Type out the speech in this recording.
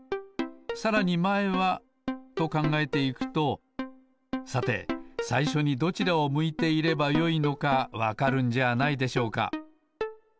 さらにまえはとかんがえていくとさてさいしょにどちらを向いていればよいのかわかるんじゃないでしょうか。